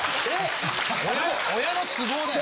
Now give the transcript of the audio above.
親の都合だよ。